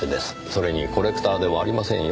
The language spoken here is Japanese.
それにコレクターでもありませんよ。